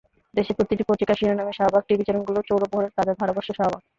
দেশের প্রতিটি পত্রিকার শিরোনামে শাহবাগ, টিভি চ্যানেলগুলোর চৌপ্রহরের তাজা ধারাভাষ্যে শাহবাগ।